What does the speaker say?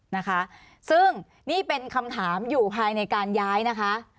นะคะซึ่งนี่เป็นคำถามอยู่ภายในการย้ายนะคะ